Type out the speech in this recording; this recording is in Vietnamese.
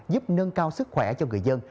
giúp nâng cao sức khỏe cho người dân